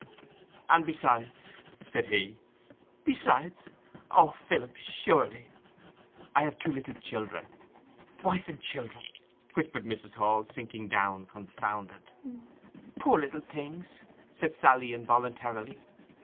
'And besides—' said he. 'Besides! O, Philip, surely—' 'I have two little children.' 'Wife and children!' whispered Mrs. Hall, sinking down confounded. 'Poor little things!' said Sally involuntarily.